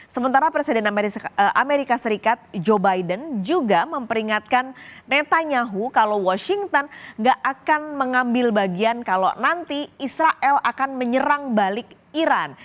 sementara presiden amerika serikat joe biden juga memperingatkan netanyahu kalau washington nggak akan mengambil bagian kalau nanti israel akan menyerang balik iran